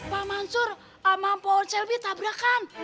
pak mansur sama pak selby tabrakan